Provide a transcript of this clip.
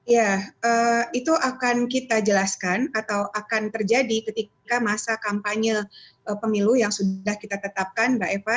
ya itu akan kita jelaskan atau akan terjadi ketika masa kampanye pemilu yang sudah kita tetapkan mbak eva